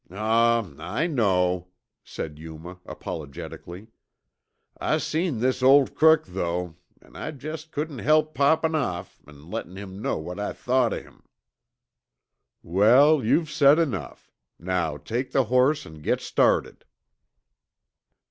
"Aw w, I know," said Yuma apologetically. "I seen this old crook, though, an' I jest couldn't help poppin' off an' lettin' him know what I thought o' him." "Well, you've said enough. Now take the horse and get started."